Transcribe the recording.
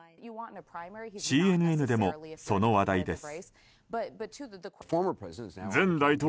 ＣＮＮでも、その話題です。